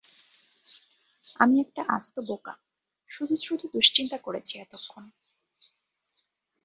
আমি একটা আস্ত বোকা, শুধু শুধু দুঃশ্চিন্তা করেছি এতক্ষণ।